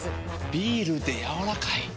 ビールでやわらかい。